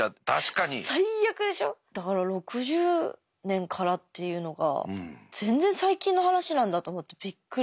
だから６０年からっていうのが全然最近の話なんだと思ってびっくり。